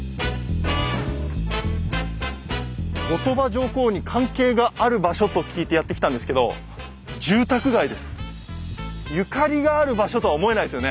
後鳥羽上皇に関係がある場所と聞いてやって来たんですけどゆかりがある場所とは思えないですよね。